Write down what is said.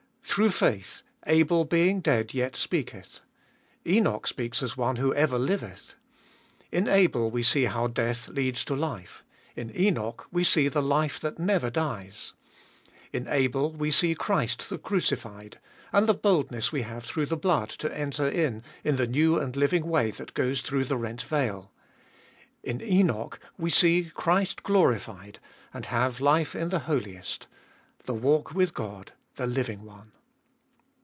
Through faith Abel being dead yet speaketh ; Enoch speaks as one who ever liveth. In Abel we see how death leads to life. In Enoch we see the life that never dies. In Abel we see Christ the crucified, and the boldness we have through the blood to enter in in the new and living way that goes through the rent veil. In Enoch we see Christ glorified and have life in the Holiest — the walk with God, the living One.